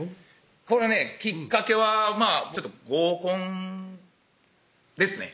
これねきっかけは合コンですね